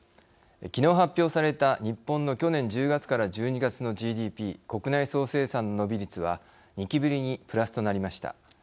きのう発表された日本の去年１０月から１２月のＧＤＰ・国内総生産の伸び率は２期ぶりにプラスとなりました。